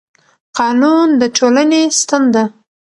قانون د ټولنې ستن ده